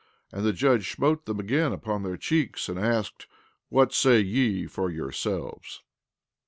And the judge smote them again upon their cheeks, and asked: What say ye for yourselves?